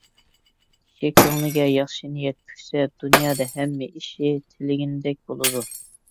كىشى كۆڭلىگە ياخشى نىيەت پۈكسە، دۇنيادا ھەممە ئىشى تىلىگىنىدەك بولىدۇ.